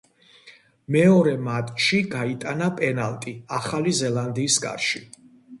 მეორე მატჩში გაიტანა პენალტი ახალი ზელანდიის კარში.